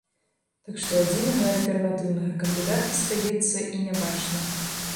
Так што адзінага альтэрнатыўнага кандыдата, здаецца, і не бачна.